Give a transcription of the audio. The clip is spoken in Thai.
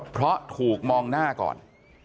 เพราะถูกมองหน้าก่อน